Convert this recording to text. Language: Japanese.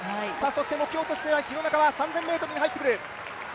目標として廣中は３０００ｍに入ってくる。